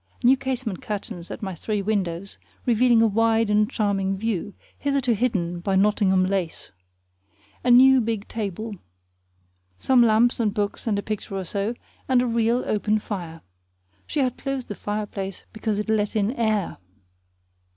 New casement curtains at my three windows, revealing a wide and charming view, hitherto hidden by Nottingham lace. A new big table, some lamps and books and a picture or so, and a real open fire. She had closed the fireplace because it let in air.